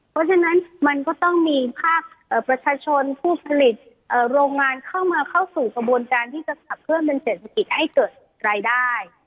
เพราะฉะนั้นมันก็ต้องมีภาคประชาชนผู้ผลิตโรงงานเข้ามาเข้าสู่กระบวนการที่จะขับเพิ่มเป็นเศรษฐกิจให้เกิดรายได้